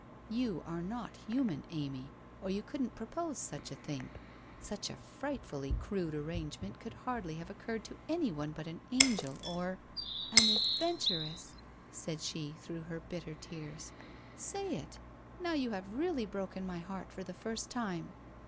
You are not human, Amy, or you couldn't propose such a thing. Such a frightfully crude arrangement could hardly have occurred to anyone but an angel, or ' i An adventuress !' said she through her bitter tears. ' Say it. Now you have really broken my heart for the first time.